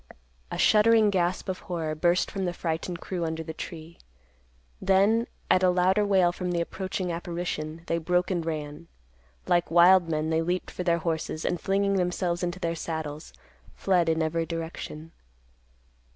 A shuddering gasp of horror burst from the frightened crew under the tree. Then, at a louder wail from the approaching apparition, they broke and ran. Like wild men they leaped for their horses, and, flinging themselves into their saddles, fled in every direction.